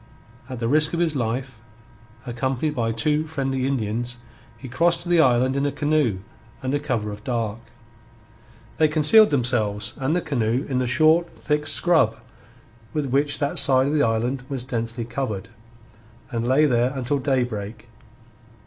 At the risk of his life, accompanied by two friendly Indians, he crossed to the island in a canoe under cover of dark. They concealed themselves and the canoe in the short thick scrub with which that side of the island was densely covered, and lay there until daybreak.